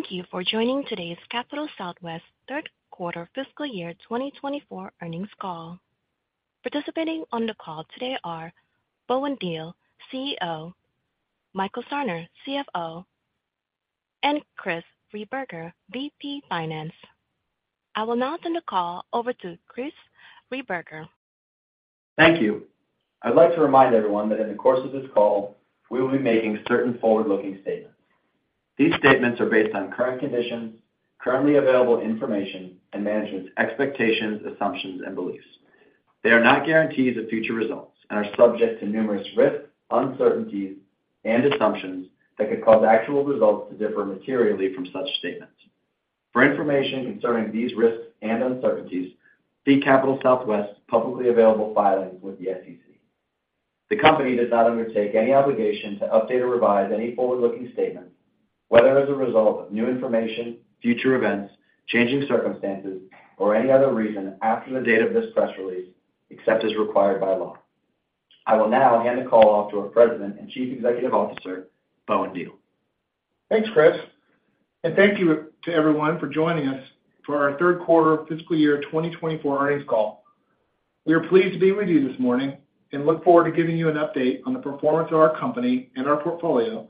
Thank you for joining today's Capital Southwest third quarter fiscal year 2024 earnings call. Participating on the call today are Bowen Diehl, CEO; Michael Sarner, CFO; and Chris Rehberger, VP Finance. I will now turn the call over to Chris Rehberger. Thank you. I'd like to remind everyone that in the course of this call, we will be making certain forward-looking statements. These statements are based on current conditions, currently available information, and management's expectations, assumptions, and beliefs. They are not guarantees of future results and are subject to numerous risks, uncertainties, and assumptions that could cause actual results to differ materially from such statements. For information concerning these risks and uncertainties, see Capital Southwest's publicly available filings with the SEC. The company does not undertake any obligation to update or revise any forward-looking statements, whether as a result of new information, future events, changing circumstances, or any other reason after the date of this press release, except as required by law. I will now hand the call off to our President and Chief Executive Officer, Bowen Diehl. Thanks, Chris, and thank you to everyone for joining us for our third quarter fiscal year 2024 earnings call. We are pleased to be with you this morning and look forward to giving you an update on the performance of our company and our portfolio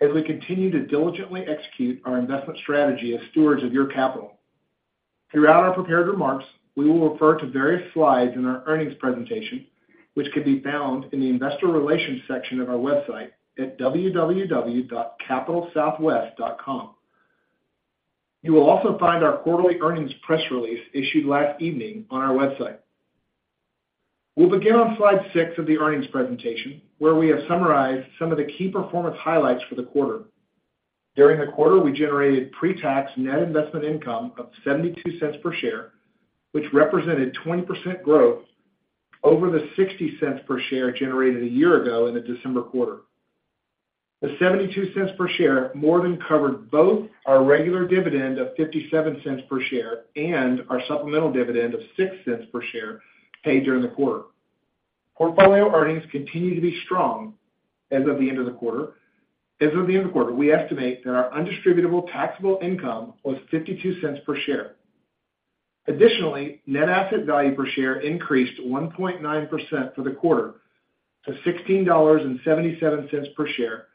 as we continue to diligently execute our investment strategy as stewards of your capital. Throughout our prepared remarks, we will refer to various slides in our earnings presentation, which can be found in the Investor Relations section of our website at www.capitalsouthwest.com. You will also find our quarterly earnings press release issued last evening on our website. We'll begin on slide 6 of the earnings presentation, where we have summarized some of the key performance highlights for the quarter. During the quarter, we generated pre-tax net investment income of $0.72 per share, which represented 20% growth over the $0.60 per share generated a year ago in the December quarter. The $0.72 per share more than covered both our regular dividend of $0.57 per share and our supplemental dividend of $0.06 per share paid during the quarter. Portfolio earnings continue to be strong as of the end of the quarter. As of the end of the quarter, we estimate that our undistributable taxable income was $0.52 per share. Additionally, net asset value per share increased 1.9% for the quarter to $16.77 per share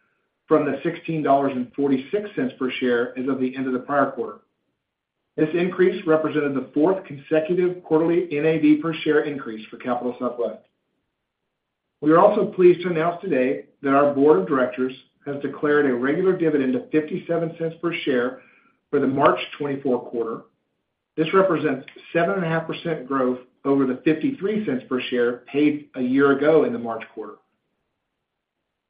from the $16.46 per share as of the end of the prior quarter. This increase represented the fourth consecutive quarterly NAV per share increase for Capital Southwest. We are also pleased to announce today that our board of directors has declared a regular dividend of $0.57 per share for the March 2024 quarter. This represents 7.5% growth over the $0.53 per share paid a year ago in the March quarter.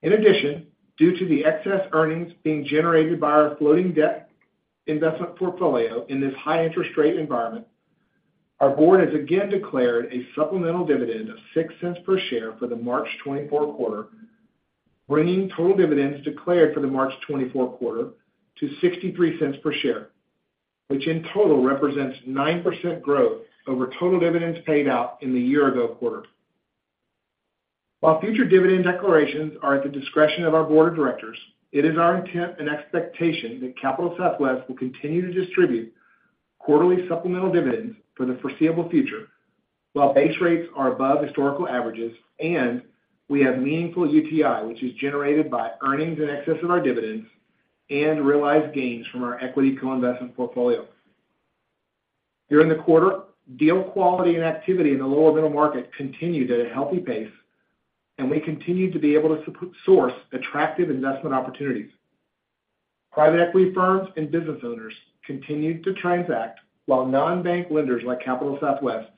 In addition, due to the excess earnings being generated by our floating debt investment portfolio in this high interest rate environment, our board has again declared a supplemental dividend of $0.06 per share for the March 2024 quarter, bringing total dividends declared for the March 2024 quarter to $0.63 per share, which in total represents 9% growth over total dividends paid out in the year ago quarter. While future dividend declarations are at the discretion of our board of directors, it is our intent and expectation that Capital Southwest will continue to distribute quarterly supplemental dividends for the foreseeable future, while base rates are above historical averages, and we have meaningful UTI, which is generated by earnings in excess of our dividends and realized gains from our equity co-investment portfolio. During the quarter, deal quality and activity in the lower middle market continued at a healthy pace, and we continued to be able to source attractive investment opportunities. Private equity firms and business owners continued to transact, while non-bank lenders like Capital Southwest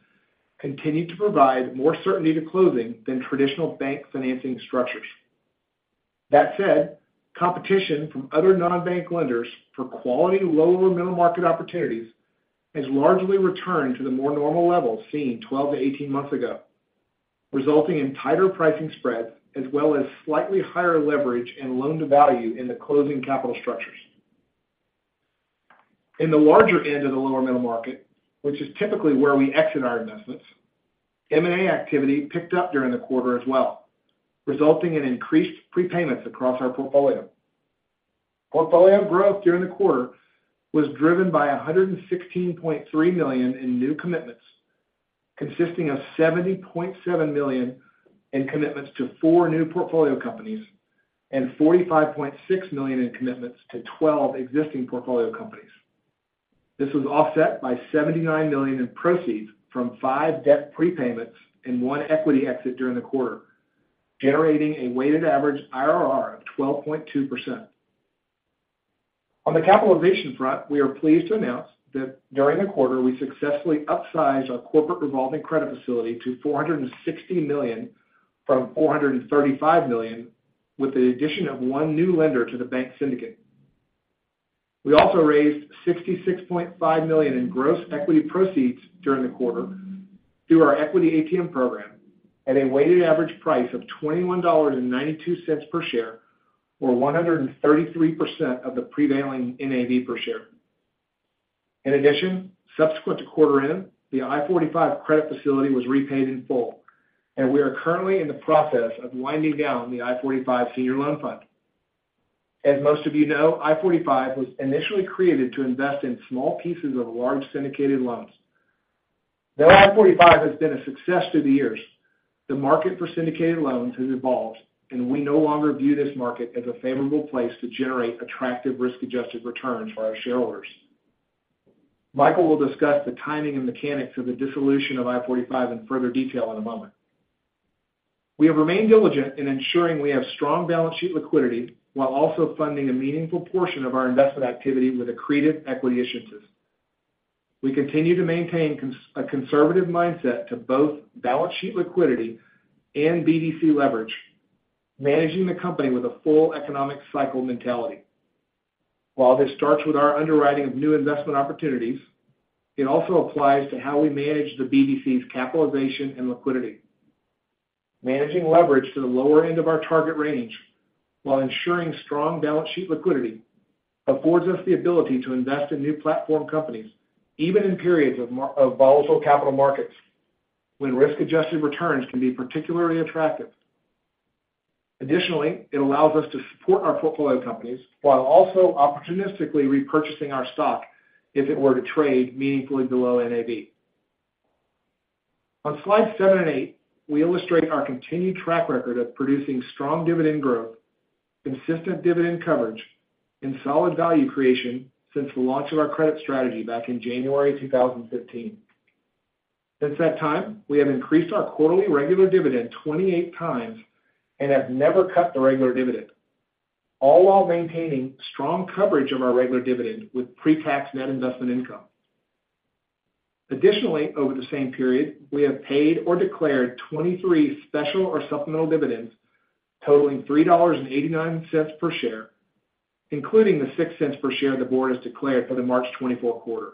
continued to provide more certainty to closing than traditional bank financing structures. That said, competition from other non-bank lenders for quality lower middle market opportunities has largely returned to the more normal levels seen 12-18 months ago, resulting in tighter pricing spreads, as well as slightly higher leverage and loan-to-value in the closing capital structures. In the larger end of the lower middle market, which is typically where we exit our investments, M&A activity PIK'd up during the quarter as well, resulting in increased prepayments across our portfolio. Portfolio growth during the quarter was driven by $116.3 million in new commitments, consisting of $70.7 million in commitments to four new portfolio companies and $45.6 million in commitments to twelve existing portfolio companies. This was offset by $79 million in proceeds from five debt prepayments and one equity exit during the quarter, generating a weighted average IRR of 12.2%. On the capitalization front, we are pleased to announce that during the quarter, we successfully upsized our corporate revolving credit facility to $460 million from $435 million, with the addition of one new lender to the bank syndicate. We also raised $66.5 million in gross equity proceeds during the quarter through our equity ATM program at a weighted average price of $21.92 per share, or 133% of the prevailing NAV per share.... In addition, subsequent to quarter end, the I-45 credit facility was repaid in full, and we are currently in the process of winding down the I-45 Senior Loan Fund. As most of you know, I-45 was initially created to invest in small pieces of large syndicated loans. Though I-45 has been a success through the years, the market for syndicated loans has evolved, and we no longer view this market as a favorable place to generate attractive risk-adjusted returns for our shareholders. Michael will discuss the timing and mechanics of the dissolution of I-45 in further detail in a moment. We have remained diligent in ensuring we have strong balance sheet liquidity, while also funding a meaningful portion of our investment activity with accretive equity issuances. We continue to maintain a conservative mindset to both balance sheet liquidity and BDC leverage, managing the company with a full economic cycle mentality. While this starts with our underwriting of new investment opportunities, it also applies to how we manage the BDC's capitalization and liquidity. Managing leverage to the lower end of our target range, while ensuring strong balance sheet liquidity, affords us the ability to invest in new platform companies, even in periods of volatile capital markets, when risk-adjusted returns can be particularly attractive. Additionally, it allows us to support our portfolio companies while also opportunistically repurchasing our stock if it were to trade meaningfully below NAV. On Slides 7 and 8, we illustrate our continued track record of producing strong dividend growth, consistent dividend coverage, and solid value creation since the launch of our credit strategy back in January 2015. Since that time, we have increased our quarterly regular dividend 28 times and have never cut the regular dividend, all while maintaining strong coverage of our regular dividend with pre-tax net investment income. Additionally, over the same period, we have paid or declared 23 special or supplemental dividends totaling $3.89 per share, including the $0.06 per share the board has declared for the March 2024 quarter,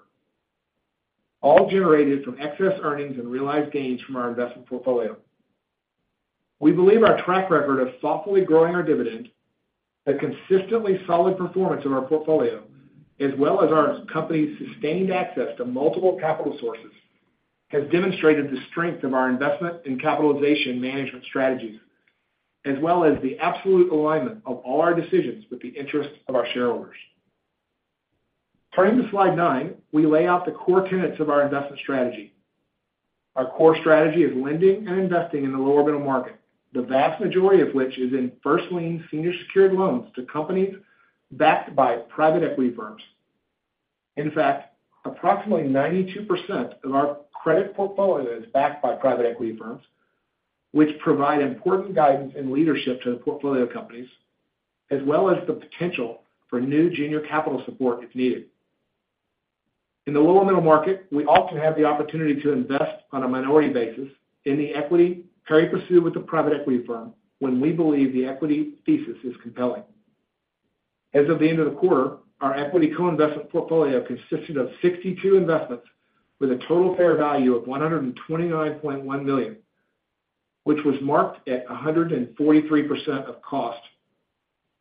all generated from excess earnings and realized gains from our investment portfolio. We believe our track record of thoughtfully growing our dividend, the consistently solid performance of our portfolio, as well as our company's sustained access to multiple capital sources, has demonstrated the strength of our investment and capitalization management strategies, as well as the absolute alignment of all our decisions with the interests of our shareholders. Turning to Slide 9, we lay out the core tenets of our investment strategy. Our core strategy is lending and investing in the lower middle market, the vast majority of which is in first lien senior secured loans to companies backed by private equity firms. In fact, approximately 92% of our credit portfolio is backed by private equity firms, which provide important guidance and leadership to the portfolio companies, as well as the potential for new junior capital support if needed. In the lower middle market, we often have the opportunity to invest on a minority basis in the equity carry pursued with the private equity firm when we believe the equity thesis is compelling. As of the end of the quarter, our equity co-investment portfolio consisted of 62 investments with a total fair value of $129.1 million, which was marked at 143% of cost,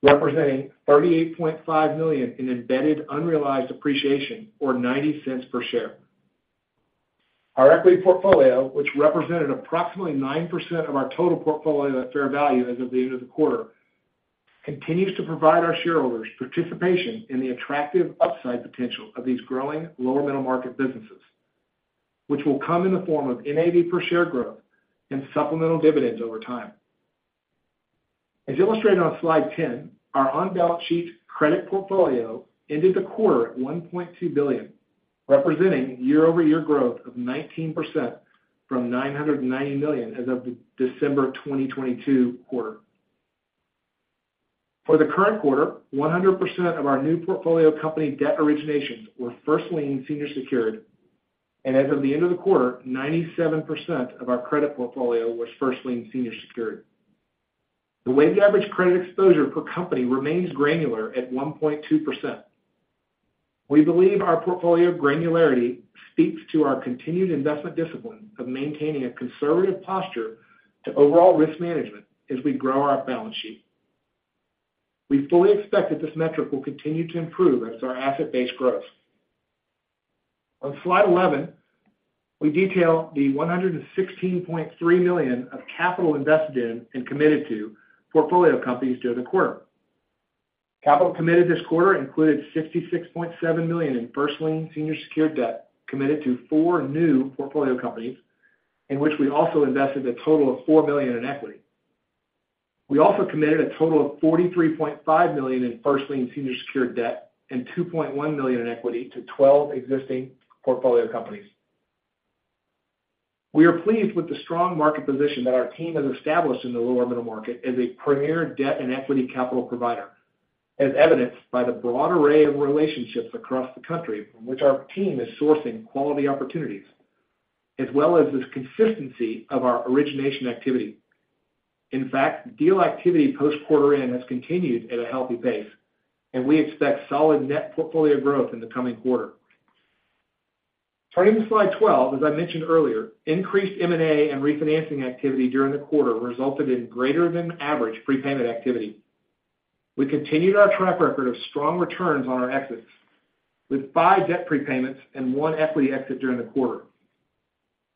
representing $38.5 million in embedded unrealized appreciation or $0.90 per share. Our equity portfolio, which represented approximately 9% of our total portfolio at fair value as of the end of the quarter, continues to provide our shareholders participation in the attractive upside potential of these growing lower middle market businesses, which will come in the form of NAV per share growth and supplemental dividends over time. As illustrated on Slide 10, our on-balance sheet credit portfolio ended the quarter at $1.2 billion, representing year-over-year growth of 19% from $990 million as of the December 2022 quarter. For the current quarter, 100% of our new portfolio company debt originations were first lien senior secured, and as of the end of the quarter, 97% of our credit portfolio was first lien senior secured. The weighted average credit exposure per company remains granular at 1.2%. We believe our portfolio granularity speaks to our continued investment discipline of maintaining a conservative posture to overall risk management as we grow our balance sheet. We fully expect that this metric will continue to improve as our asset base grows. On Slide 11, we detail the $116.3 million of capital invested in and committed to portfolio companies during the quarter. Capital committed this quarter included $66.7 million in First Lien Senior Secured Debt, committed to 4 new portfolio companies, in which we also invested a total of $4 million in equity. We also committed a total of $43.5 million in First Lien Senior Secured Debt and $2.1 million in equity to 12 existing portfolio companies. We are pleased with the strong market position that our team has established in the lower middle market as a premier debt and equity capital provider, as evidenced by the broad array of relationships across the country from which our team is sourcing quality opportunities, as well as the consistency of our origination activity. In fact, deal activity post-quarter end has continued at a healthy pace, and we expect solid net portfolio growth in the coming quarter. Turning to Slide 12, as I mentioned earlier, increased M&A and refinancing activity during the quarter resulted in greater than average prepayment activity. We continued our track record of strong returns on our exits, with 5 debt prepayments and 1 equity exit during the quarter.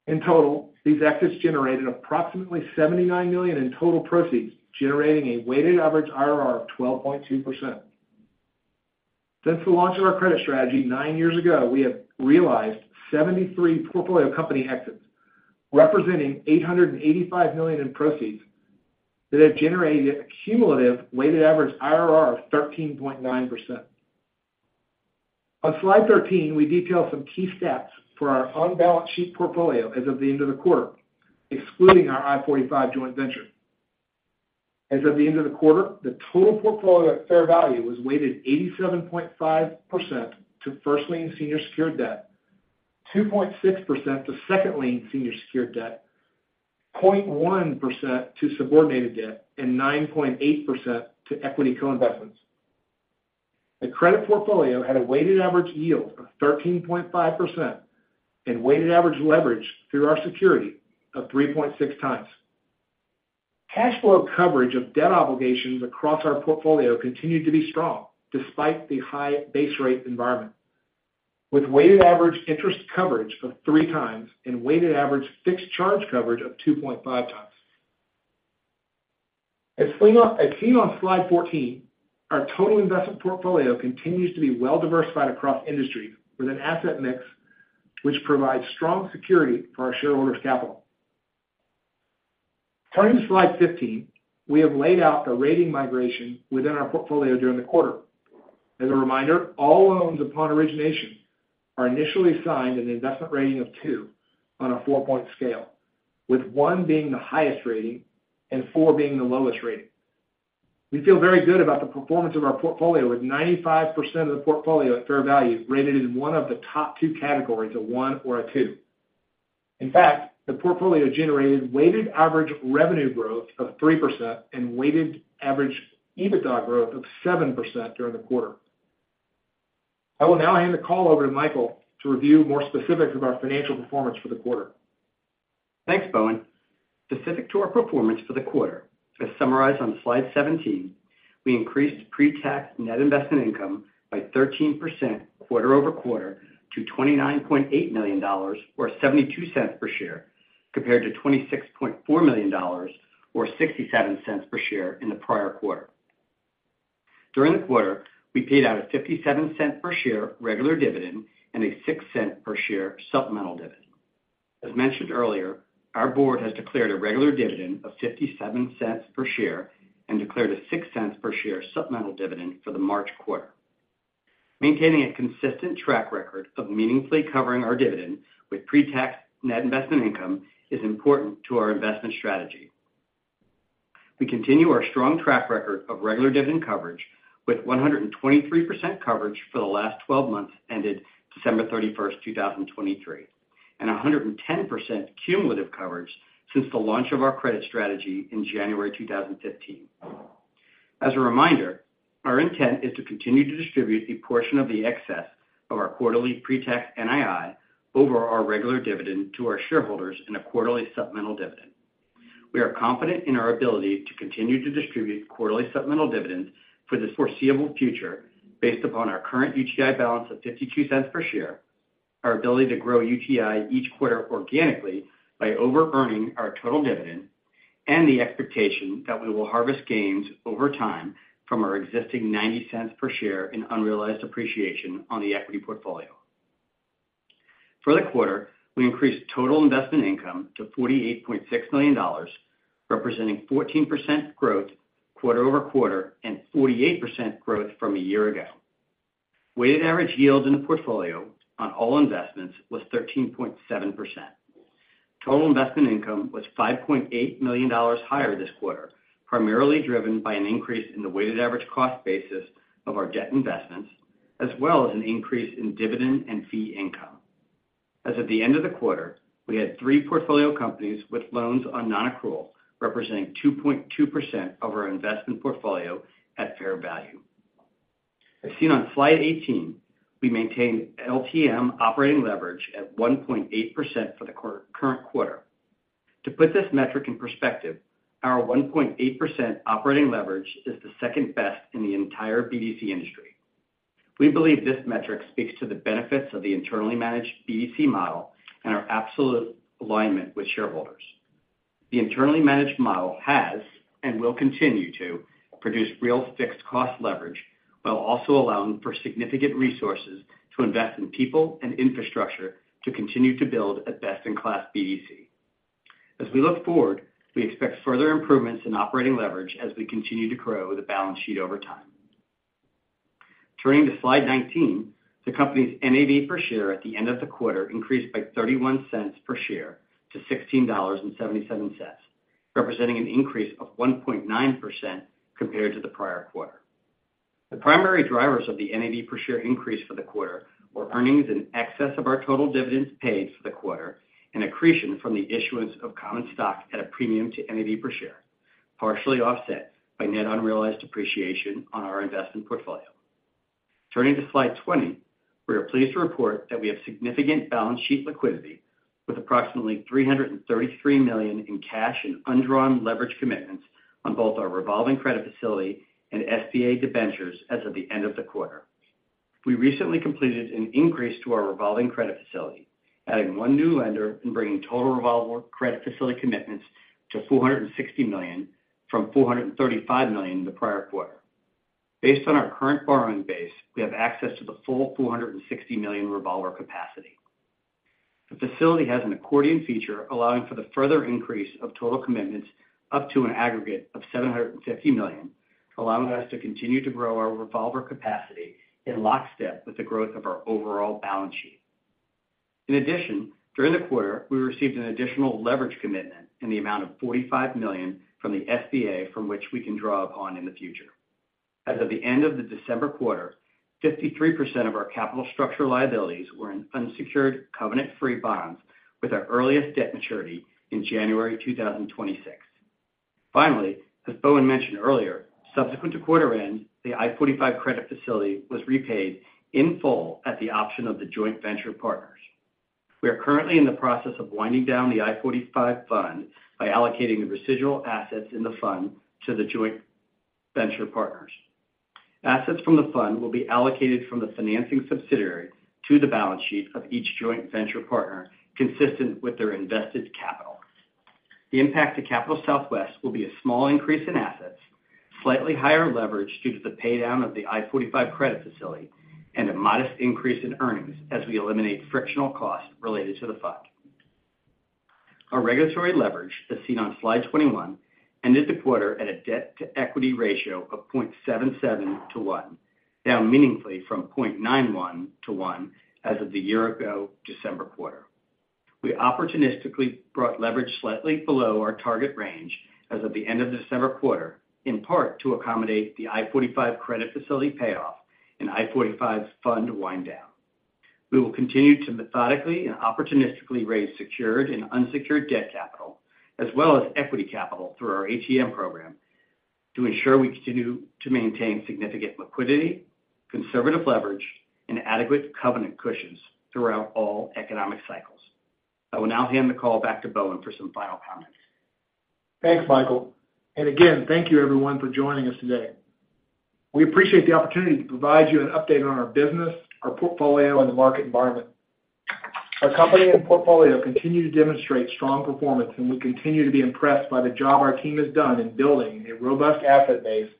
In total, these exits generated approximately $79 million in total proceeds, generating a weighted average IRR of 12.2%. Since the launch of our credit strategy 9 years ago, we have realized 73 portfolio company exits, representing $885 million in proceeds that have generated a cumulative weighted average IRR of 13.9%. On Slide 13, we detail some key stats for our on-balance sheet portfolio as of the end of the quarter, excluding our I-45 joint venture. As of the end of the quarter, the total portfolio at fair value was weighted 87.5% to first lien senior secured debt, 2.6% to second lien senior secured debt, 0.1% to subordinated debt, and 9.8% to equity co-investments. The credit portfolio had a weighted average yield of 13.5% and weighted average leverage through our security of 3.6x. Cash flow coverage of debt obligations across our portfolio continued to be strong, despite the high base rate environment, with weighted average interest coverage of 3 times and weighted average fixed charge coverage of 2.5 times. As seen on Slide 14, our total investment portfolio continues to be well diversified across industries with an asset mix which provides strong security for our shareholders' capital. Turning to Slide 15, we have laid out the rating migration within our portfolio during the quarter. As a reminder, all loans upon origination are initially assigned an investment rating of 2 on a 4-point scale, with 1 being the highest rating and 4 being the lowest rating. We feel very good about the performance of our portfolio, with 95% of the portfolio at fair value rated in one of the top two categories, a 1 or a 2. In fact, the portfolio generated weighted average revenue growth of 3% and weighted average EBITDA growth of 7% during the quarter. I will now hand the call over to Michael to review more specifics of our financial performance for the quarter. Thanks, Bowen. Specific to our performance for the quarter, as summarized on Slide 17, we increased pre-tax net investment income by 13% quarter-over-quarter to $29.8 million or $0.72 per share, compared to $26.4 million or $0.67 per share in the prior quarter. During the quarter, we paid out a $0.57 per share regular dividend and a $0.06 per share supplemental dividend. As mentioned earlier, our board has declared a regular dividend of $0.57 per share and declared a $0.06 per share supplemental dividend for the March quarter. Maintaining a consistent track record of meaningfully covering our dividend with pre-tax net investment income is important to our investment strategy. We continue our strong track record of regular dividend coverage, with 123% coverage for the last twelve months ended December 31, 2023, and 110% cumulative coverage since the launch of our credit strategy in January 2015. As a reminder, our intent is to continue to distribute a portion of the excess of our quarterly pre-tax NII over our regular dividend to our shareholders in a quarterly supplemental dividend. We are confident in our ability to continue to distribute quarterly supplemental dividends for the foreseeable future based upon our current UTI balance of $0.52 per share, our ability to grow UTI each quarter organically by overearning our total dividend, and the expectation that we will harvest gains over time from our existing $0.90 per share in unrealized appreciation on the equity portfolio. For the quarter, we increased total investment income to $48.6 million, representing 14% growth quarter-over-quarter and 48% growth year-over-year. Weighted average yield in the portfolio on all investments was 13.7%. Total investment income was $5.8 million higher this quarter, primarily driven by an increase in the weighted average cost basis of our debt investments, as well as an increase in dividend and fee income. As of the end of the quarter, we had three portfolio companies with loans on nonaccrual, representing 2.2% of our investment portfolio at fair value. As seen on Slide 18, we maintained LTM operating leverage at 1.8% for the current quarter. To put this metric in perspective, our 1.8% operating leverage is the second best in the entire BDC industry. We believe this metric speaks to the benefits of the internally managed BDC model and our absolute alignment with shareholders. The internally managed model has and will continue to produce real fixed cost leverage, while also allowing for significant resources to invest in people and infrastructure to continue to build a best-in-class BDC. As we look forward, we expect further improvements in operating leverage as we continue to grow the balance sheet over time. Turning to Slide 19, the company's NAV per share at the end of the quarter increased by $0.31 per share to $16.77, representing an increase of 1.9% compared to the prior quarter. The primary drivers of the NAV per share increase for the quarter were earnings in excess of our total dividends paid for the quarter and accretion from the issuance of common stock at a premium to NAV per share. Partially offset by net unrealized appreciation on our investment portfolio. Turning to Slide 20, we are pleased to report that we have significant balance sheet liquidity with approximately $333 million in cash and undrawn leverage commitments on both our revolving credit facility and SBA debentures as of the end of the quarter. We recently completed an increase to our revolving credit facility, adding one new lender and bringing total revolver credit facility commitments to $460 million from $435 million in the prior quarter. Based on our current borrowing base, we have access to the full $460 million revolver capacity. The facility has an accordion feature, allowing for the further increase of total commitments up to an aggregate of $750 million, allowing us to continue to grow our revolver capacity in lockstep with the growth of our overall balance sheet. In addition, during the quarter, we received an additional leverage commitment in the amount of $45 million from the SBA, from which we can draw upon in the future. As of the end of the December quarter, 53% of our capital structure liabilities were in unsecured covenant-free bonds, with our earliest debt maturity in January 2026. Finally, as Bowen mentioned earlier, subsequent to quarter end, the I-45 credit facility was repaid in full at the option of the joint venture partners. We are currently in the process of winding down the I-45 fund by allocating the residual assets in the fund to the joint venture partners. Assets from the fund will be allocated from the financing subsidiary to the balance sheet of each joint venture partner, consistent with their invested capital. The impact to Capital Southwest will be a small increase in assets, slightly higher leverage due to the paydown of the I-45 credit facility, and a modest increase in earnings as we eliminate frictional costs related to the fund. Our regulatory leverage, as seen on Slide 21, ended the quarter at a debt-to-equity ratio of 0.77 to 1, down meaningfully from 0.91 to 1 as of the year-ago December quarter. We opportunistically brought leverage slightly below our target range as of the end of the December quarter, in part to accommodate the I-45 credit facility payoff and I-45's fund wind down. We will continue to methodically and opportunistically raise secured and unsecured debt capital, as well as equity capital through our ATM program, to ensure we continue to maintain significant liquidity, conservative leverage, and adequate covenant cushions throughout all economic cycles. I will now hand the call back to Bowen for some final comments. Thanks, Michael. Again, thank you everyone for joining us today. We appreciate the opportunity to provide you an update on our business, our portfolio, and the market environment. Our company and portfolio continue to demonstrate strong performance, and we continue to be impressed by the job our team has done in building a robust asset base,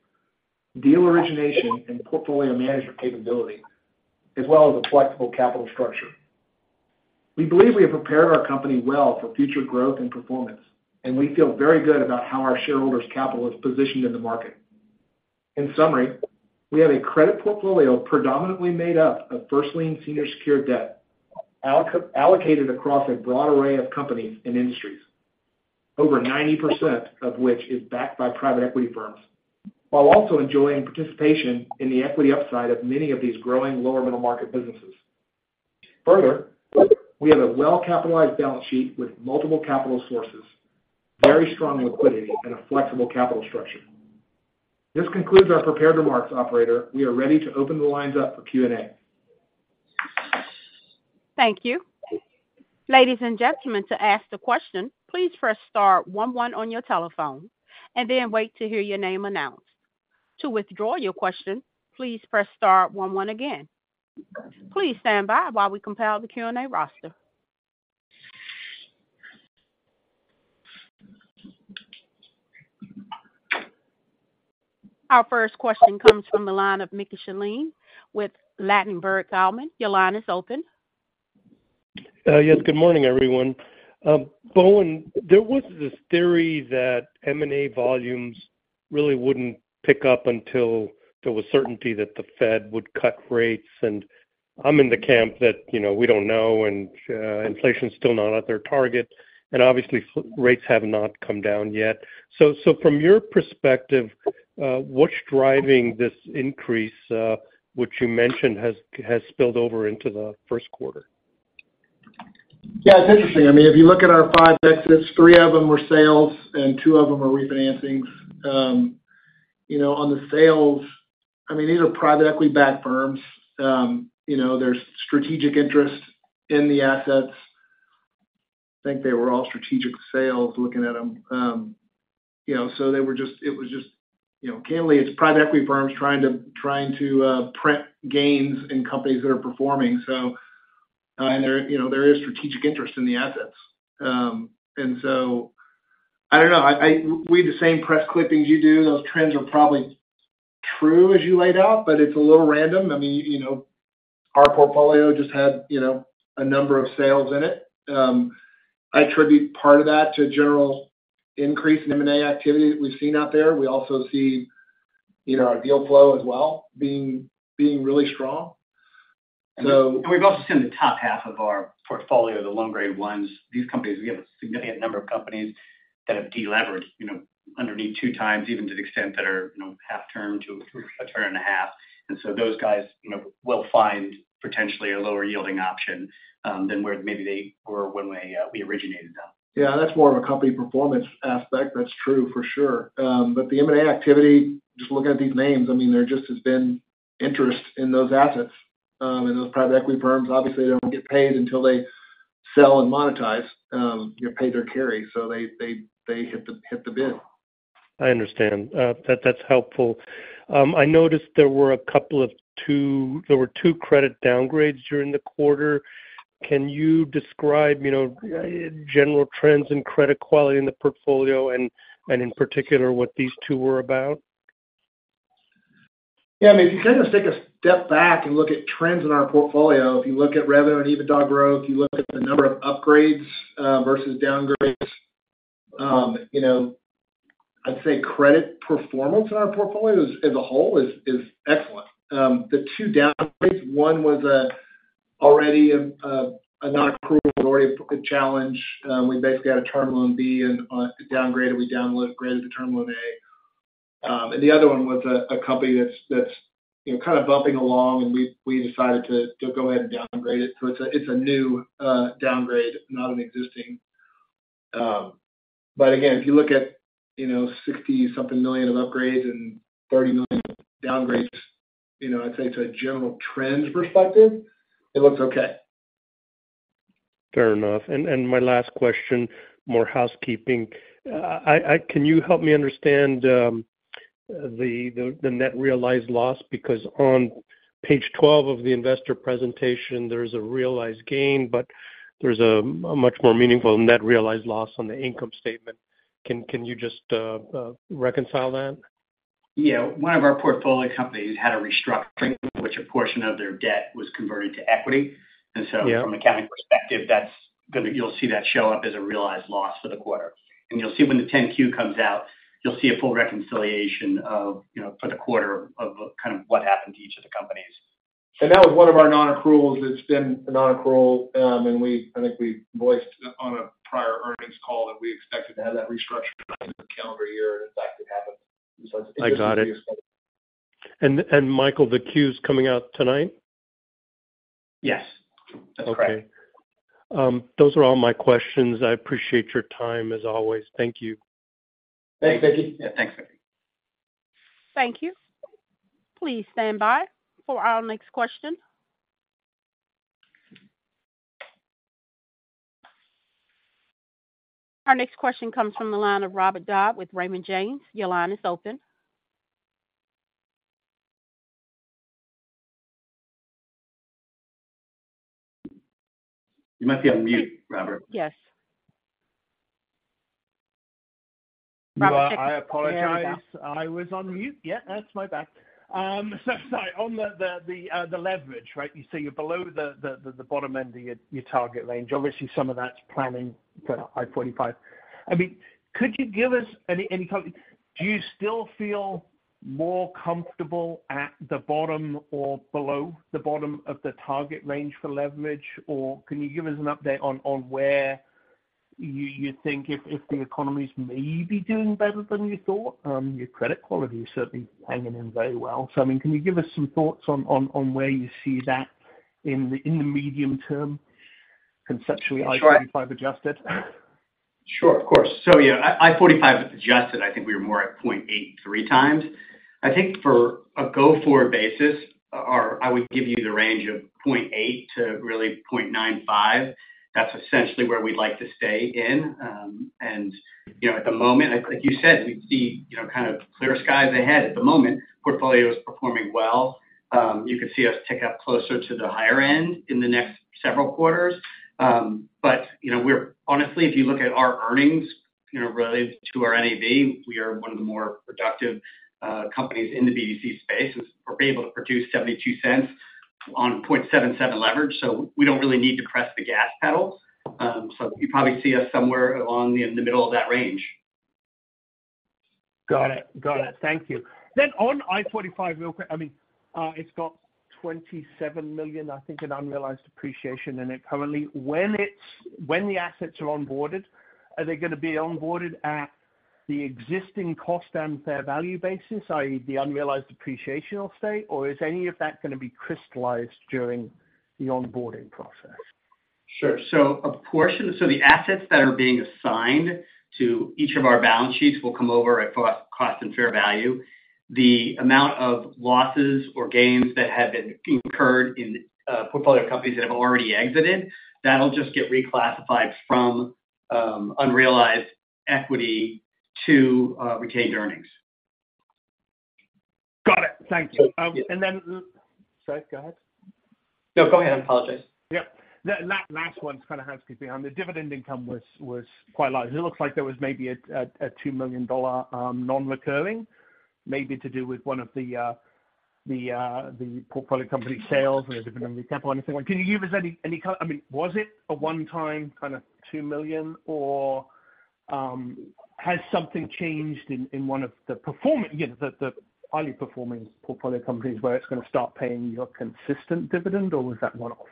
deal origination, and portfolio management capability, as well as a flexible capital structure. We believe we have prepared our company well for future growth and performance, and we feel very good about how our shareholders' capital is positioned in the market. In summary, we have a credit portfolio predominantly made up of first lien senior secured debt, allocated across a broad array of companies and industries, over 90% of which is backed by private equity firms, while also enjoying participation in the equity upside of many of these growing lower middle-market businesses. Further, we have a well-capitalized balance sheet with multiple capital sources, very strong liquidity, and a flexible capital structure. This concludes our prepared remarks, operator. We are ready to open the lines up for Q&A. Thank you. Ladies and gentlemen, to ask a question, please press star one one on your telephone and then wait to hear your name announced. To withdraw your question, please press star one one again. Please stand by while we compile the Q&A roster. Our first question comes from the line of Mickey Schleien with Ladenburg Thalmann. Your line is open. Yes, good morning, everyone. Bowen, there was this theory that M&A volumes really wouldn't pick up until there was certainty that the Fed would cut rates. And I'm in the camp that, you know, we don't know, and inflation is still not at their target, and obviously, rates have not come down yet. So, from your perspective, what's driving this increase, which you mentioned has spilled over into the first quarter? Yeah, it's interesting. I mean, if you look at our 5 exits, 3 of them were sales and 2 of them were refinancings. You know, on the sales, I mean, these are private equity-backed firms. You know, there's strategic interest in the assets. I think they were all strategic sales, looking at them. You know, so they were just it was just, you know, candidly, it's private equity firms trying to print gains in companies that are performing. So, and there, you know, there is strategic interest in the assets. And so I don't know, I we read the same press clippings you do. Those trends are probably true as you laid out, but it's a little random. I mean, you know, our portfolio just had, you know, a number of sales in it. I attribute part of that to a general increase in M&A activity that we've seen out there. We also see, you know, our deal flow as well, being really strong. So- We've also seen the top half of our portfolio, the low levered ones. These companies, we have a significant number of companies that have delevered, you know, underneath two times, even to the extent that are, you know, half term to a term and a half. And so those guys, you know, will find potentially a lower-yielding option, than where maybe they were when we originated them.... Yeah, that's more of a company performance aspect. That's true for sure. But the M&A activity, just looking at these names, I mean, there just has been interest in those assets, and those private equity firms, obviously, they don't get paid until they sell and monetize, you know, pay their carry, so they hit the bid. I understand. That’s helpful. I noticed there were two credit downgrades during the quarter. Can you describe, you know, general trends in credit quality in the portfolio and, and in particular, what these two were about? Yeah, I mean, if you kind of take a step back and look at trends in our portfolio, if you look at revenue and EBITDA growth, you look at the number of upgrades versus downgrades, you know, I'd say credit performance in our portfolio is, as a whole, excellent. The two downgrades, one was already a nonaccrual, was already a challenge. We basically had a term loan B and downgraded. We downgraded the term loan A. And the other one was a company that's, you know, kind of bumping along, and we decided to go ahead and downgrade it. So it's a new downgrade, not an existing. But again, if you look at, you know, $60-something million of upgrades and $30 million downgrades, you know, I'd say to a general trends perspective, it looks okay. Fair enough. And my last question, more housekeeping. I can you help me understand the net realized loss? Because on page 12 of the investor presentation, there's a realized gain, but there's a much more meaningful net realized loss on the income statement. Can you just reconcile that? Yeah. One of our portfolio companies had a restructuring, which a portion of their debt was converted to equity. Yeah. So from accounting perspective, that's gonna—you'll see that show up as a realized loss for the quarter. You'll see when the 10-Q comes out, you'll see a full reconciliation of, you know, for the quarter of kind of what happened to each of the companies. That was one of our nonaccruals. It's been a nonaccrual, and I think we voiced on a prior earnings call that we expected to have that restructure in the calendar year, and in fact, it happened. I got it. And Michael, the Q is coming out tonight? Yes, that's correct. Okay. Those are all my questions. I appreciate your time, as always. Thank you. Thanks, Mickey. Yeah, thanks, Mickey. Thank you. Please stand by for our next question. Our next question comes from the line of Robert Dodd with Raymond James. Your line is open. You might be on mute, Robert. Yes. Robert- I apologize. I was on mute. Yeah, that's my bad. So sorry. On the leverage, right, you see you're below the bottom end of your target range. Obviously, some of that's planning for I-45. I mean, could you give us any comment—do you still feel more comfortable at the bottom or below the bottom of the target range for leverage? Or can you give us an update on where you think if the economy is maybe doing better than you thought? Your credit quality is certainly hanging in very well. So, I mean, can you give us some thoughts on where you see that in the medium term, conceptually- Sure. I-45 adjusted? Sure, of course. So yeah, I-45 adjusted, I think we were more at 0.83 times. I think for a go-forward basis, or I would give you the range of 0.8 to really 0.95. That's essentially where we'd like to stay in. And, you know, at the moment, like you said, we see, you know, kind of clear skies ahead. At the moment, portfolio is performing well. You could see us tick up closer to the higher end in the next several quarters. But, you know, we're honestly, if you look at our earnings, you know, related to our NAV, we are one of the more productive companies in the BDC space. We're able to produce $0.72 on 0.77x leverage, so we don't really need to press the gas pedal. So, you probably see us somewhere along in the middle of that range. Got it. Got it. Thank you. Then on I-45, real quick, I mean, it's got $27 million, I think, in unrealized appreciation in it currently. When the assets are onboarded, are they gonna be onboarded at the existing cost and fair value basis, i.e., the unrealized appreciation, I'll say, or is any of that gonna be crystallized during the onboarding process? Sure. So a portion, so the assets that are being assigned to each of our balance sheets will come over at cost, cost and fair value. The amount of losses or gains that have been incurred in portfolio companies that have already exited, that'll just get reclassified from unrealized equity to retained earnings. Got it. Thank you. Yeah. Sorry, go ahead. No, go ahead. I apologize. Yeah. That last one's kind of housekeeping. The dividend income was quite large. It looks like there was maybe a $2 million non-recurring, maybe to do with one of the portfolio company sales or a dividend recap, or anything. Can you give us any—I mean, was it a one-time kind of $2 million, or has something changed in one of the performing, you know, the highly performing portfolio companies, where it's gonna start paying you a consistent dividend, or was that one-off?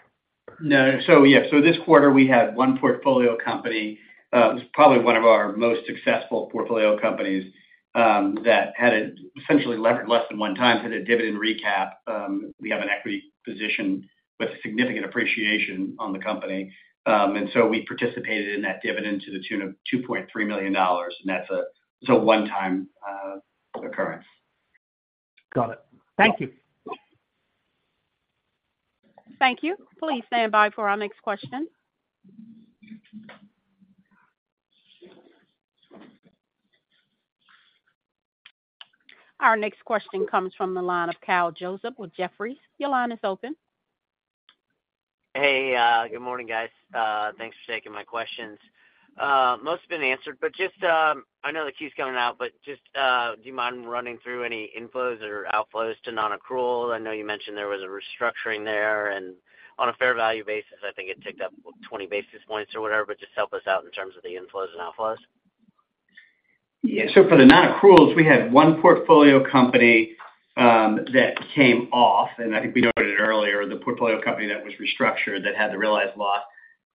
No. So yeah, so this quarter, we had one portfolio company, it was probably one of our most successful portfolio companies, that had essentially levered less than one time, had a dividend recap. We have an equity position with significant appreciation on the company. And so we participated in that dividend to the tune of $2.3 million, and that's a, it's a one-time. That's correct. Got it. Thank you. Thank you. Please stand by for our next question. Our next question comes from the line of Kyle Joseph with Jefferies. Your line is open. Hey, good morning, guys. Thanks for taking my questions. Most have been answered, but just, I know the queue's coming out, but just, do you mind running through any inflows or outflows to nonaccrual? I know you mentioned there was a restructuring there, and on a fair value basis, I think it ticked up 20 basis points or whatever, but just help us out in terms of the inflows and outflows. Yeah. So for the nonaccruals, we had one portfolio company that came off, and I think we noted it earlier, the portfolio company that was restructured, that had the realized loss,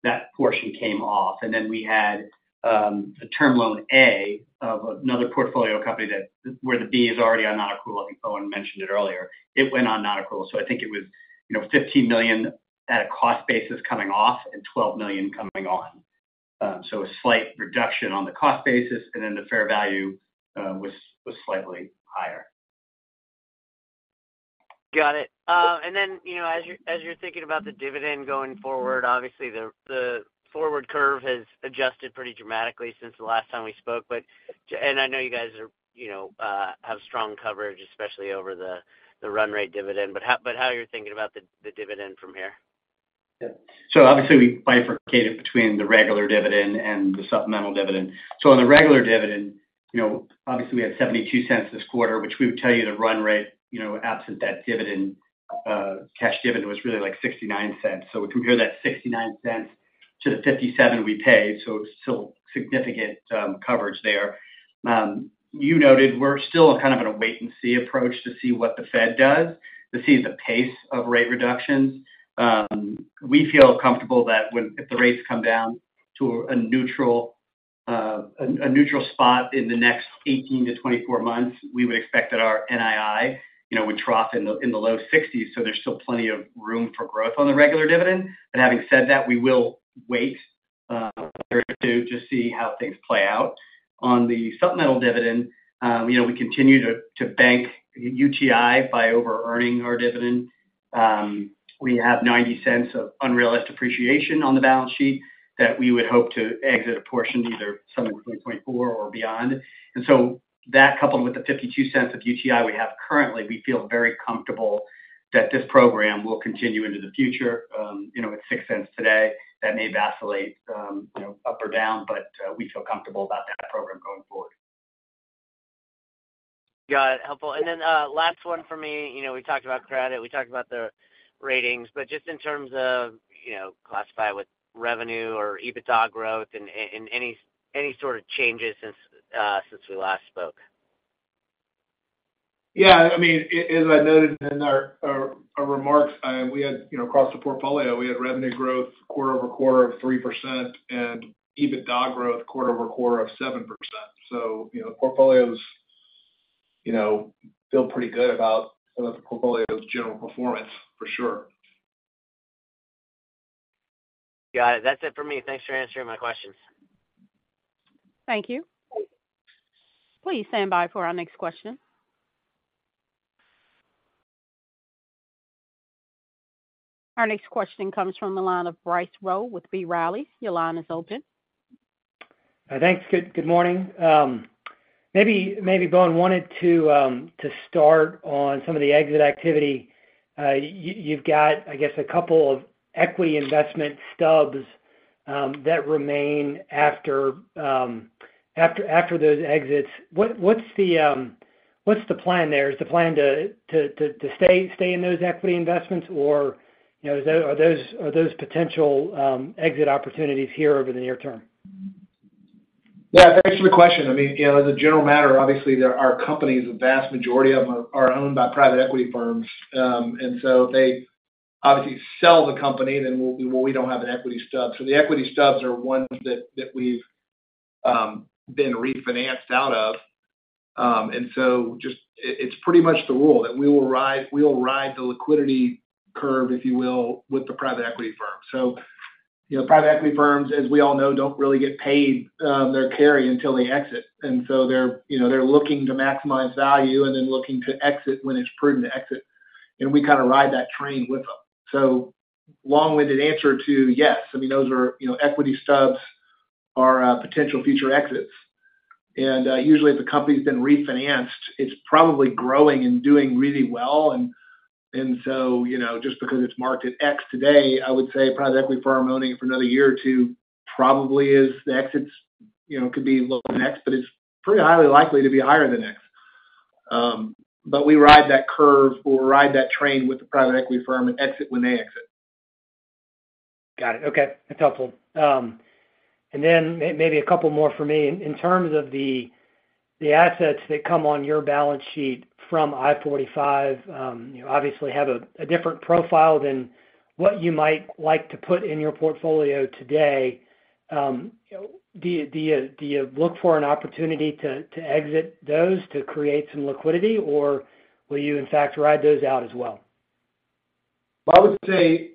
that portion came off. And then we had a term loan A of another portfolio company that, where the B is already on nonaccrual. I think Bowen mentioned it earlier. It went on nonaccrual, so I think it was, you know, $15 million at a cost basis coming off and $12 million coming on. So a slight reduction on the cost basis, and then the fair value was slightly higher. Got it. And then, you know, as you're thinking about the dividend going forward, obviously, the forward curve has adjusted pretty dramatically since the last time we spoke, but and I know you guys are, you know, have strong coverage, especially over the run rate dividend, but how are you thinking about the dividend from here? Yeah. So obviously, we bifurcated between the regular dividend and the supplemental dividend. So on the regular dividend, you know, obviously, we had $0.72 this quarter, which we would tell you the run rate, you know, absent that dividend, cash dividend was really, like, $0.69. So we compare that $0.69 to the $0.57 we paid, so it's still significant coverage there. You noted we're still kind of in a wait and see approach to see what the Fed does, to see the pace of rate reductions. We feel comfortable that when—if the rates come down to a neutral, a neutral spot in the next 18-24 months, we would expect that our NII, you know, would trough in the low 60s, so there's still plenty of room for growth on the regular dividend. But having said that, we will wait to see how things play out. On the supplemental dividend, you know, we continue to bank UTI by overearning our dividend. We have $0.90 of unrealized appreciation on the balance sheet that we would hope to exit a portion, either some of $3.4 or beyond. And so that, coupled with the $0.52 of UTI we have currently, we feel very comfortable that this program will continue into the future. You know, it's $0.06 today. That may vacillate, you know, up or down, but we feel comfortable about that program going forward. Got it. Helpful. And then, last one for me. You know, we talked about credit, we talked about the ratings, but just in terms of, you know, classify with revenue or EBITDA growth and any sort of changes since we last spoke. Yeah, I mean, as I noted in our remarks, we had, you know, across the portfolio, we had revenue growth quarter-over-quarter of 3% and EBITDA growth quarter-over-quarter of 7%. So, you know, the portfolio's, you know, feel pretty good about some of the portfolio's general performance, for sure. Got it. That's it for me. Thanks for answering my questions. Thank you. Please stand by for our next question. Our next question comes from the line of Bryce Rowe with B. Riley. Your line is open. Thanks. Good morning. Maybe Bowen wanted to start on some of the exit activity. You've got, I guess, a couple of equity investment stubs that remain after those exits. What's the plan there? Is the plan to stay in those equity investments, or, you know, are those potential exit opportunities here over the near term? Yeah, thanks for the question. I mean, you know, as a general matter, obviously, there are companies, the vast majority of them are owned by private equity firms. And so they obviously sell the company, then we don't have an equity stub. So the equity stubs are ones that we've been refinanced out of. And so it's pretty much the rule that we will ride the liquidity curve, if you will, with the private equity firm. So, you know, private equity firms, as we all know, don't really get paid their carry until they exit, and so they're, you know, they're looking to maximize value and then looking to exit when it's prudent to exit. And we kind of ride that train with them. So long-winded answer to yes, I mean, those are, you know, equity stubs are potential future exits. And usually, if the company's been refinanced, it's probably growing and doing really well. And so, you know, just because it's marked at X today, I would say a private equity firm owning it for another year or two probably is the exits, you know, could be lower than X, but it's pretty highly likely to be higher than X. But we ride that curve or ride that train with the private equity firm and exit when they exit. Got it. Okay, that's helpful. And then maybe a couple more for me. In terms of the assets that come on your balance sheet from I-45, you know, obviously have a different profile than what you might like to put in your portfolio today. Do you look for an opportunity to exit those to create some liquidity, or will you in fact ride those out as well?... I would say,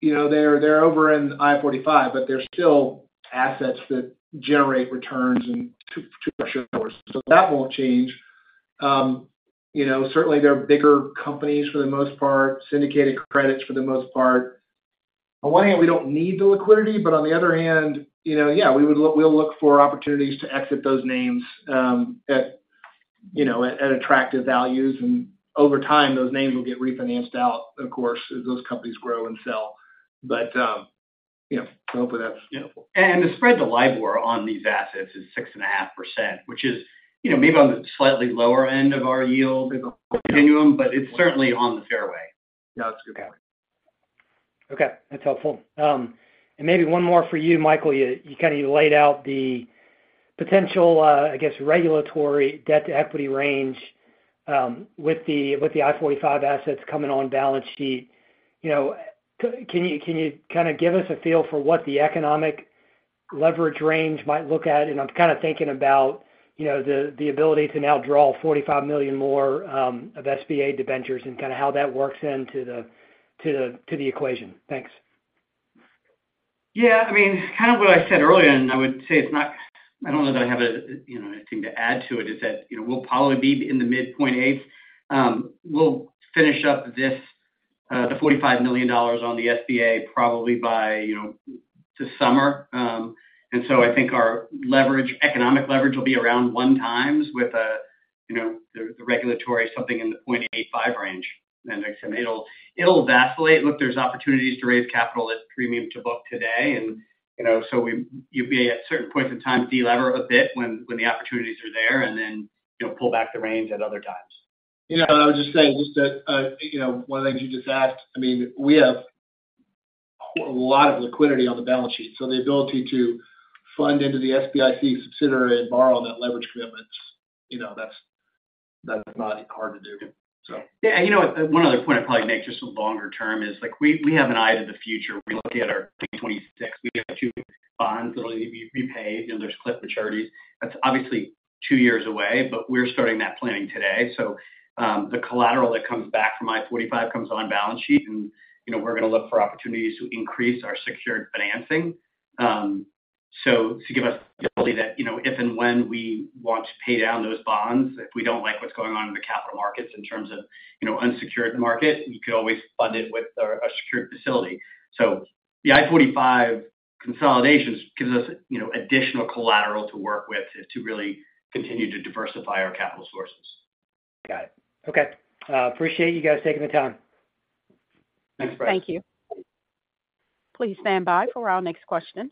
you know, they're, they're over in I-45, but they're still assets that generate returns and to our shareholders. So that won't change. You know, certainly they're bigger companies for the most part, syndicated credits for the most part. On one hand, we don't need the liquidity, but on the other hand, you know, yeah, we would look—we'll look for opportunities to exit those names at, you know, at attractive values. And over time, those names will get refinanced out, of course, as those companies grow and sell. But yeah, I hope that's helpful. The spread to LIBOR on these assets is 6.5%, which is, you know, maybe on the slightly lower end of our yield continuum, but it's certainly on the fairway. Yeah, that's a good point. Okay, that's helpful. And maybe one more for you, Michael. You, you kind of laid out the potential, I guess, regulatory debt to equity range, with the, with the I-45 assets coming on balance sheet. You know, can you, can you kind of give us a feel for what the economic leverage range might look at? And I'm kind of thinking about, you know, the, the ability to now draw $45 million more, of SBA debentures and kind of how that works into the, to the, to the equation. Thanks. Yeah, I mean, kind of what I said earlier, and I would say it's not. I don't know that I have a, you know, a thing to add to it, is that, you know, we'll probably be in the midpoint 8. We'll finish up this, the $45 million on the SBA probably by, you know, this summer. And so I think our leverage, economic leverage will be around 1x with a, you know, the, the regulatory, something in the 0.85 range. And like I said, it'll vacillate. Look, there's opportunities to raise capital at premium to book today, and, you know, so you'd be at certain points in time, delever a bit when, when the opportunities are there, and then, you know, pull back the reins at other times. You know, I would just say just that, you know, one of the things you just asked, I mean, we have a lot of liquidity on the balance sheet, so the ability to fund into the SBIC subsidiary and borrow on that leverage commitment, you know, that's, that's not hard to do. So- Yeah, and you know what? One other point I'd probably make, just a longer term is, like, we, we have an eye to the future. We look at our 2026, we have two bonds that'll need to be repaid, you know, there's cliff maturities. That's obviously two years away, but we're starting that planning today. So, the collateral that comes back from I-45 comes on balance sheet, and, you know, we're going to look for opportunities to increase our secured financing. So to give us the ability that, you know, if and when we want to pay down those bonds, if we don't like what's going on in the capital markets in terms of, you know, unsecured market, we could always fund it with a, a secured facility. The I-45 consolidations gives us, you know, additional collateral to work with to really continue to diversify our capital sources. Got it. Okay. Appreciate you guys taking the time. Thanks, Bryce. Thank you. Please stand by for our next question.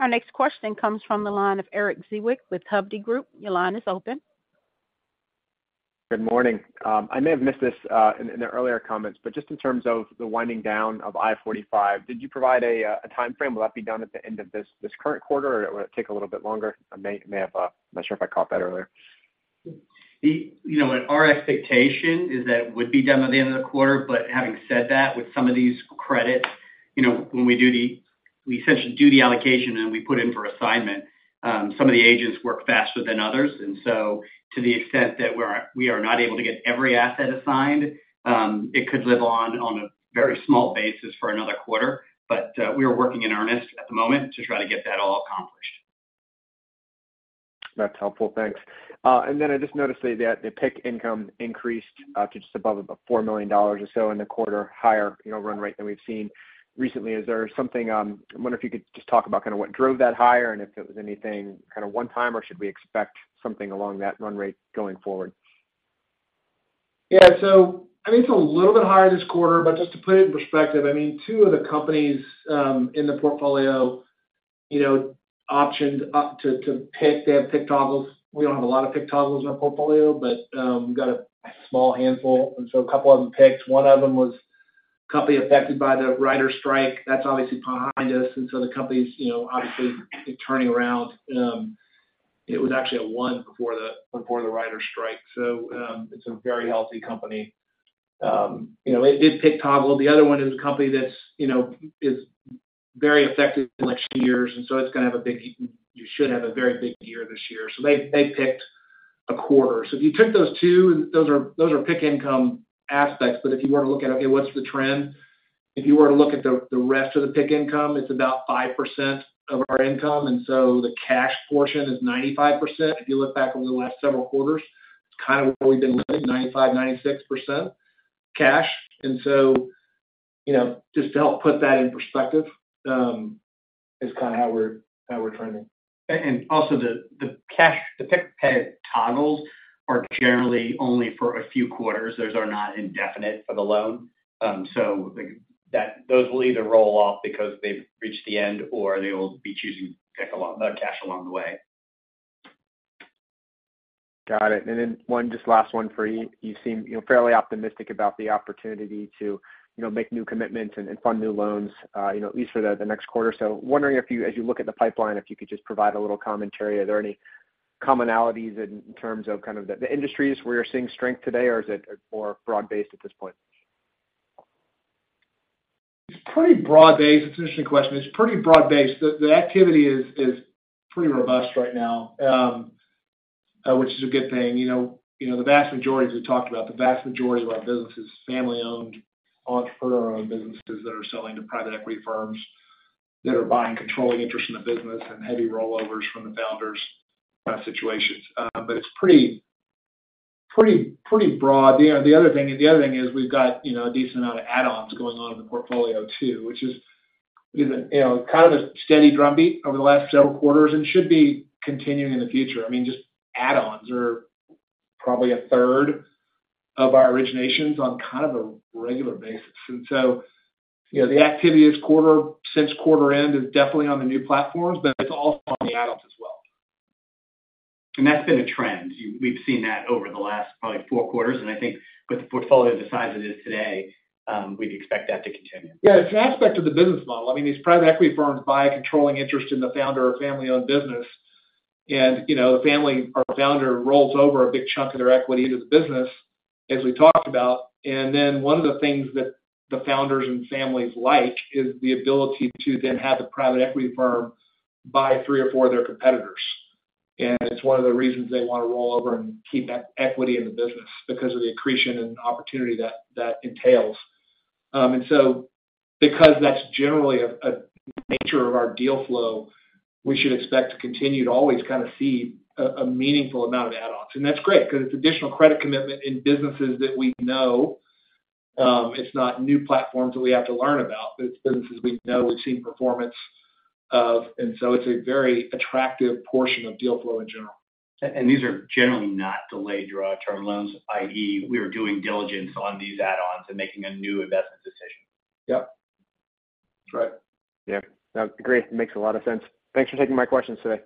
Our next question comes from the line of Erik Zwick with Hovde Group. Your line is open. Good morning. I may have missed this in the earlier comments, but just in terms of the winding down of I-45, did you provide a timeframe? Will that be done at the end of this current quarter, or will it take a little bit longer? I may have, I'm not sure if I caught that earlier. You know what, our expectation is that it would be done by the end of the quarter. But having said that, with some of these credits, you know, when we do the allocation, and then we put in for assignment. Some of the agents work faster than others, and so to the extent that we are not able to get every asset assigned, it could live on a very small basis for another quarter. But we are working in earnest at the moment to try to get that all accomplished. That's helpful. Thanks. And then I just noticed that the PIK income increased to just above $4 million or so in the quarter, higher, you know, run rate than we've seen recently. Is there something... I wonder if you could just talk about kind of what drove that higher and if it was anything kind of one time, or should we expect something along that run rate going forward? Yeah. So I think it's a little bit higher this quarter, but just to put it in perspective, I mean, two of the companies in the portfolio, you know, opted up to PIK. They have PIK toggles. We don't have a lot of PIK toggles in our portfolio, but we've got a small handful, and so a couple of them picked. One of them was a company affected by the Writers' strike. That's obviously behind us, and so the company's, you know, obviously turning around. It was actually a one before the, before the Writers' strike. So it's a very healthy company. You know, it did PIK toggle. The other one is a company that's, you know, is very affected in the next years, and so it's going to have a big- you should have a very big year this year. So they picked a quarter. So if you took those two, those are PIK income aspects. But if you were to look at, okay, what's the trend? If you were to look at the rest of the PIK income, it's about 5% of our income, and so the cash portion is 95%. If you look back over the last several quarters, it's kind of where we've been living, 95%, 96% cash. And so, you know, just to help put that in perspective, is kind of how we're trending. Also, the cash, the PIK pay toggles are generally only for a few quarters. Those are not indefinite for the loan. So, those will either roll off because they've reached the end or they will be choosing PIK along, cash along the way. Got it. And then one, just last one for you. You seem, you know, fairly optimistic about the opportunity to, you know, make new commitments and, and fund new loans, you know, at least for the, the next quarter. So, wondering if you, as you look at the pipeline, if you could just provide a little commentary. Are there any commonalities in terms of kind of the industries where you're seeing strength today, or is it more broad-based at this point?... It's pretty broad-based. It's an interesting question. It's pretty broad-based. The activity is pretty robust right now, which is a good thing. You know, the vast majority, as we talked about, the vast majority of our business is family-owned, entrepreneur-owned businesses that are selling to private equity firms, that are buying controlling interest in the business and heavy rollovers from the founders, situations. But it's pretty broad. You know, the other thing is we've got a decent amount of add-ons going on in the portfolio too, which is a steady drumbeat over the last several quarters and should be continuing in the future. I mean, just add-ons are probably a third of our originations on kind of a regular basis. And so, you know, the activity since quarter end is definitely on the new platforms, but it's also on the add-ons as well. That's been a trend. We've seen that over the last probably four quarters, and I think with the portfolio the size it is today, we'd expect that to continue. Yeah, it's an aspect of the business model. I mean, these private equity firms buy a controlling interest in the founder or family-owned business, and, you know, the family or founder rolls over a big chunk of their equity into the business, as we talked about. And then one of the things that the founders and families like is the ability to then have the private equity firm buy three or four of their competitors. And it's one of the reasons they want to roll over and keep that equity in the business because of the accretion and opportunity that entails. And so because that's generally a nature of our deal flow, we should expect to continue to always kind of see a meaningful amount of add-ons. And that's great because it's additional credit commitment in businesses that we know. It's not new platforms that we have to learn about, but it's businesses we know, we've seen performance of, and so it's a very attractive portion of deal flow in general. These are generally not delayed draw term loans, i.e., we are doing diligence on these add-ons and making a new investment decision. Yep, that's right. Yeah. No, great. Makes a lot of sense. Thanks for taking my questions today.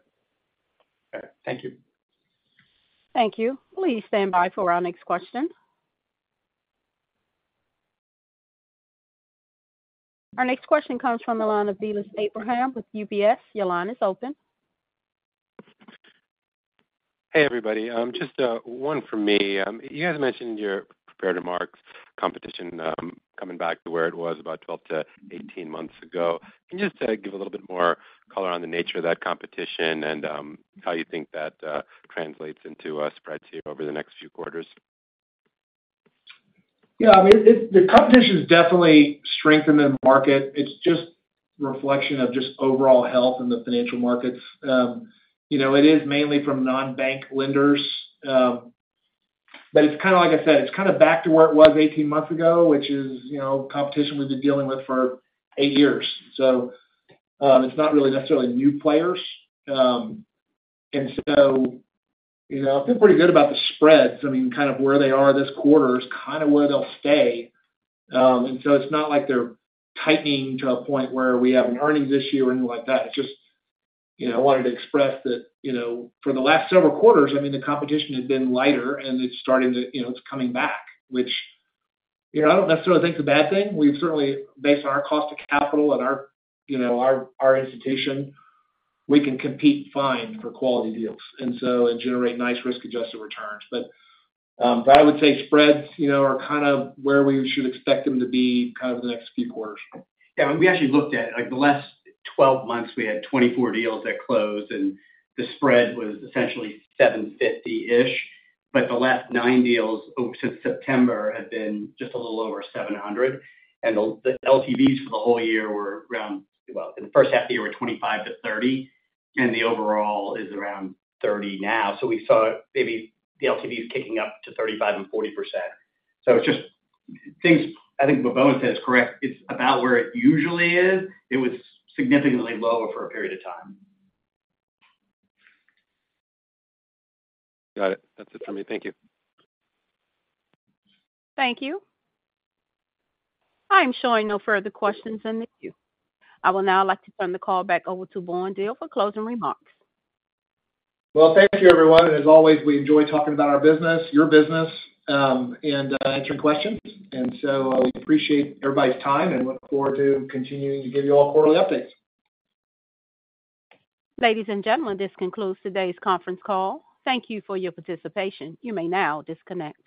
Okay. Thank you. Thank you. Please stand by for our next question. Our next question comes from the line of Vilas Abraham with UBS. Your line is open. Hey, everybody. Just one from me. You guys mentioned your prepared remarks, competition coming back to where it was about 12-18 months ago. Can you just give a little bit more color on the nature of that competition and how you think that translates into spreads here over the next few quarters? Yeah, I mean, it, the competition is definitely strengthened in the market. It's just reflection of just overall health in the financial markets. You know, it is mainly from non-bank lenders, but it's kind of like I said, it's kind of back to where it was 18 months ago, which is, you know, competition we've been dealing with for 8 years. So, it's not really necessarily new players. And so, you know, I feel pretty good about the spreads. I mean, kind of where they are this quarter is kind of where they'll stay. And so it's not like they're tightening to a point where we have an earnings issue or anything like that. It's just, you know, I wanted to express that, you know, for the last several quarters, I mean, the competition has been lighter, and it's starting to, you know, it's coming back, which, you know, I don't necessarily think it's a bad thing. We've certainly, based on our cost of capital and our, you know, our, our institution, we can compete fine for quality deals, and so, and generate nice risk-adjusted returns. But, but I would say spreads, you know, are kind of where we should expect them to be kind of the next few quarters. Yeah, and we actually looked at, like, the last 12 months, we had 24 deals that closed, and the spread was essentially 7.50%-ish, but the last nine deals since September have been just a little over 700, and the LTVs for the whole year were around... Well, in the first half of the year, were 25-30, and the overall is around 30 now. So we saw maybe the LTV is kicking up to 35% and 40%. So it's just things—I think what Bowen says is correct. It's about where it usually is. It was significantly lower for a period of time. Got it. That's it for me. Thank you. Thank you. I'm showing no further questions in the queue. I would now like to turn the call back over to Bowen Diehl for closing remarks. Well, thank you, everyone. As always, we enjoy talking about our business, your business, and answering questions. And so, we appreciate everybody's time and look forward to continuing to give you all quarterly updates. Ladies and gentlemen, this concludes today's conference call. Thank you for your participation. You may now disconnect.